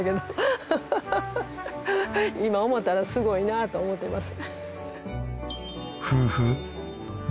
今思ったらすごいなと思ってます。